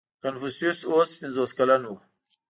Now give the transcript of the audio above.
• کنفوسیوس اوس پنځوس کلن و.